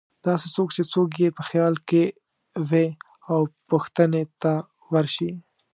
داسې څوک چې څوک یې په خیال کې وې او پوښتنې ته ورشي.